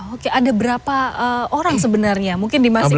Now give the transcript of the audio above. oke ada berapa orang sebenarnya mungkin di masing masing